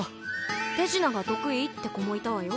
手品が得意って子もいたわよ。